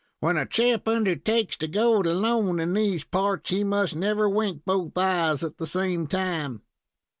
When a chap undertakes to go it alone in these parts, he must never wink both eyes at the same time."